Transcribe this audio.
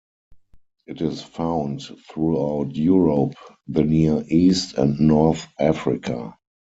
It is found throughout Europe, the Near East, and North Africa.